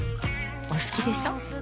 お好きでしょ。